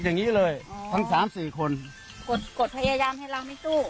อย่างนี้เลยทั้งสามสี่คนกดกดพยายามให้เราไม่สู้